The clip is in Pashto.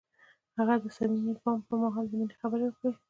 هغه د صمیمي بام پر مهال د مینې خبرې وکړې.